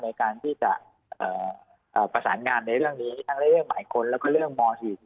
ในการที่จะประสานงานในเรื่องนี้ทั้งเรื่องหมายคนแล้วก็เรื่องม๔๔